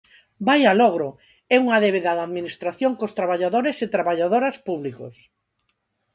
¡Vaia logro! É unha débeda da Administración cos traballadores e traballadoras públicos.